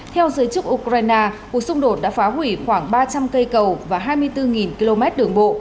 theo giới chức ukraine cuộc xung đột đã phá hủy khoảng ba trăm linh cây cầu và hai mươi bốn km đường bộ